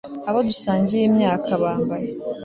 Abo dusangiye imyaka bambaye